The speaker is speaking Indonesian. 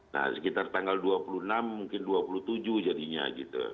nah sekitar tanggal dua puluh enam mungkin dua puluh tujuh jadinya gitu